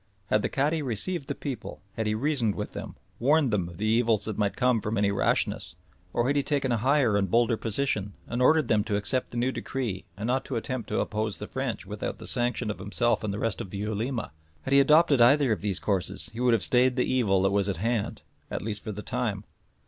Had the Cadi received the people, had he reasoned with them, warned them of the evils that might come from any rashness, or had he taken a higher and bolder position and ordered them to accept the new decree and not to attempt to oppose the French without the sanction of himself and the rest of the Ulema had he adopted either of these courses he would have stayed the evil that was at hand, at least for the time.